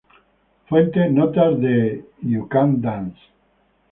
Fuente: Notas de "You Can Dance".